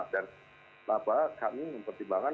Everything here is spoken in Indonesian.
dan kami mempertimbangkan